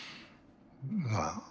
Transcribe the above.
まあ